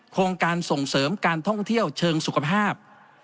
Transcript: โครงการส่งเสริมการท่องเที่ยวเชิงสุขภาพ